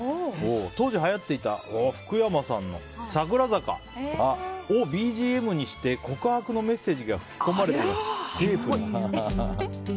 当時はやっていた福山さんの「桜坂」をＢＧＭにして告白のメッセージが吹き込まれてるテープ。